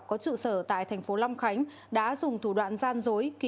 có trụ sở tại thành phố long khánh đã dùng thủ đoạn gian dối